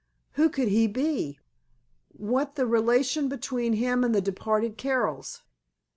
Who could he be? What the relation between him and the departed Carrolls?